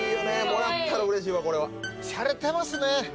もらったらうれしいわこれはしゃれてますね！